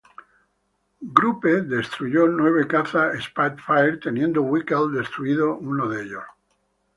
Gruppe destruyó nueve cazas Spitfire, teniendo Wilcke destruido uno de ellos.